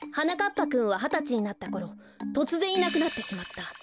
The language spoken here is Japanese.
ぱくんははたちになったころとつぜんいなくなってしまった。